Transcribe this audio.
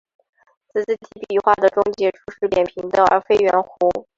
此字体笔画的终结处是扁平的而非圆弧。